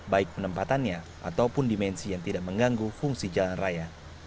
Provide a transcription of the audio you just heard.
baik penempatannya ataupun dimensi yang tidak mengganggu fungsi jalan raya